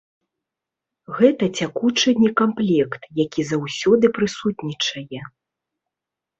Гэта цякучы некамплект, які заўсёды прысутнічае.